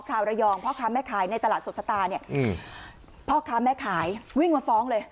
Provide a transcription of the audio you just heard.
ชาวระยองพ่อค้าแม่ขายในตลาดสดสตาร์เนี่ยพ่อค้าแม่ขายวิ่งมาฟ้องเลย